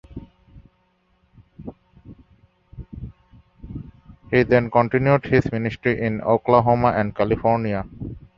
He then continued his ministry in Oklahoma and California.